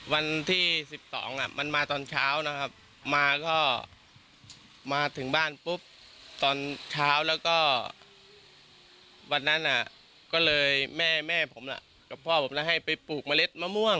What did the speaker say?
วันที่๑๒มันมาตอนเช้านะครับมาก็มาถึงบ้านปุ๊บตอนเช้าแล้วก็วันนั้นก็เลยแม่แม่ผมกับพ่อผมแล้วให้ไปปลูกเมล็ดมะม่วง